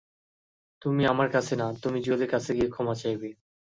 তুমি আমার কাছে না, তুমি জুয়েলের কাছে গিয়ে ক্ষমা চাইবে।